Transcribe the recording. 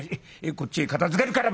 こっちへ片づけるから」。